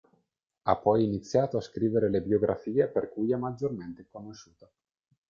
Ha poi iniziato a scrivere le biografie per cui è maggiormente conosciuto.